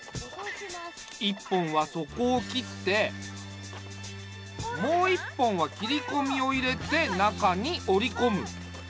一本はそこを切ってもう一本は切りこみを入れて中におりこむ。